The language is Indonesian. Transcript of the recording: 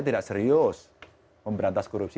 tidak serius memberantas korupsi